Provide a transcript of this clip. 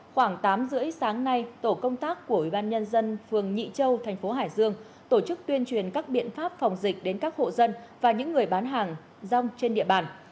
khoảng tám h ba mươi sáng nay tổ công tác của ubnd phường nhị châu tp hải dương tổ chức tuyên truyền các biện pháp phòng dịch đến các hộ dân và những người bán hàng rong trên địa bàn